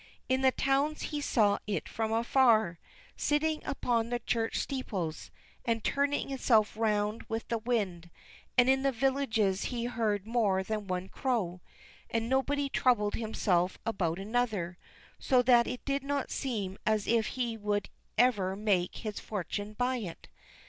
In the towns he saw it from afar, sitting upon the church steeples, and turning itself round with the wind; and in the villages he heard more than one crow, and nobody troubled himself about another, so that it did not seem as if he would ever make his fortune by it.